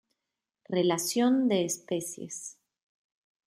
Relación de especies.